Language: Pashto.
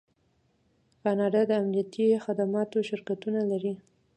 کاناډا د امنیتي خدماتو شرکتونه لري.